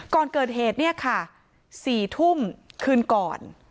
ก่อนเกิดเหตุเนี่ยค่ะ๔ทุ่มคืนก่อน